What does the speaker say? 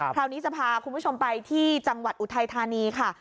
คราวนี้จะพาคุณผู้ชมไปที่จังหวัดอุทัยธานีค่ะ